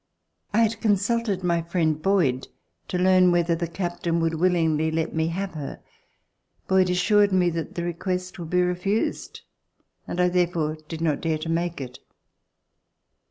I had consulted my friend Boyd to learn whether the captain would willingly let me have her. Boyd assured me that the request would be refused, and I therefore did not dare to make it.